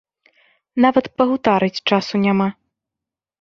Нават пагутарыць часу няма.